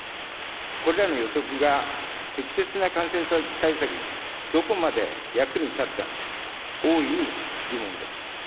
これらの予測が適切な感染対策にどこまで役に立ったのか、大いに疑問です。